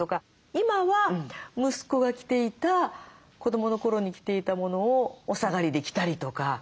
今は息子が着ていた子どもの頃に着ていたものをお下がりで着たりとか。